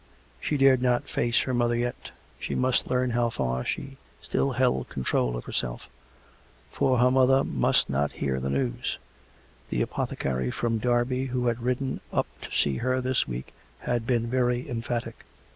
She dared not face her mother yet; she must learn how far she still held control of herself; for her mother must not hear the news: the apothecary from Derby who had ridden up to see her this week had been very emphatic.